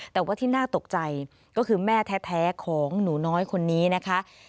แต่ว่าที่น่าตกใจก็คือแม่แท้ของหนูน้อยคนนี้นะคะ